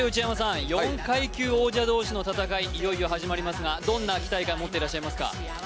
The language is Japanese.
４階級王者同士の戦い、いよいよ始まりますが、どんな期待感持っていらっしゃいますか。